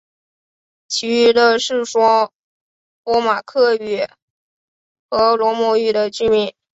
其余的是说波马克语和罗姆语的居民。